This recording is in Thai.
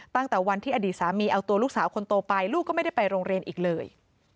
ตั้งแต่วันที่อดีตสามีเอาตัวลูกสาวคนโตไปลูกก็ไม่ได้ไปโรงเรียนอีกเลย